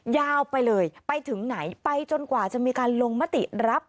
ยาวไปเลยไปถึงไหนไปจนกว่าจะมีการลงมติรับ